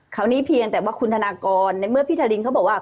เพียงแต่ว่าคุณธนากรในเมื่อพี่ทารินเขาบอกว่า